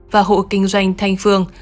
và hộ kinh doanh thanh phương